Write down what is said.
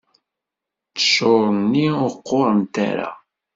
Ttjur-nni ur qqurent ara.